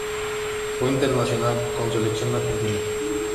Fue internacional con Selección Argentina.